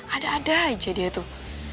ada ada aja dia tuh